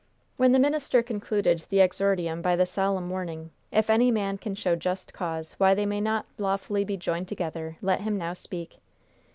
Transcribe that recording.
When the minister concluded the exordium by the solemn warning: "'If any man can show just cause why they may not lawfully be joined together, let him now speak.'"